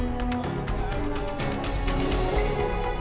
masai di depan